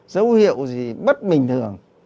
dấu hiệu gì bất bình thường